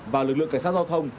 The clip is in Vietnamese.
và lực lượng cảnh sát giao thông